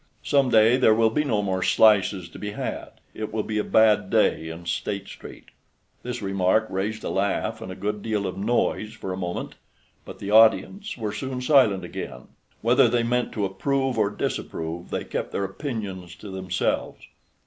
Some day there will be no more slices to be had. It will be a bad day in State Street." This remark raised a laugh and a good deal of noise for a moment. But the audience were soon silent again. Whether they meant to approve or disapprove, they kept their opinions to themselves.